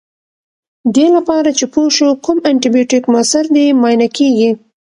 دې لپاره چې پوه شو کوم انټي بیوټیک موثر دی معاینه کیږي.